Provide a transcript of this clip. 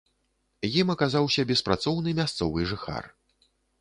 Ім аказаўся беспрацоўны мясцовы жыхар.